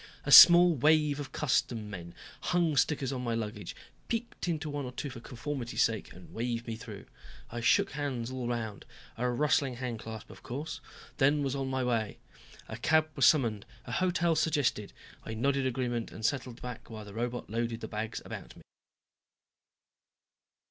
A small wave of custom men hung stickers on my luggage, peeked into one or two for conformity's sake, and waved me through. I shook hands all around a rustling hand clasp of course then was on my way. A cab was summoned, a hotel suggested. I nodded agreement and settled back while the robot loaded the bags about me.